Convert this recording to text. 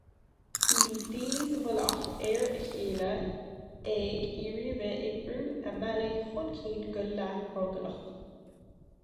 Bhí daoine sa mhullach ar a chéile, ag iarraidh a bheith ag brú a mbealaigh chun cinn go leath-dhrogallach.